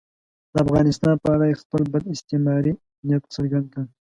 د افغانستان په اړه یې خپل بد استعماري نیت څرګند کړ.